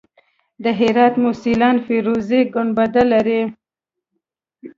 د هرات موسیلا فیروزي ګنبد لري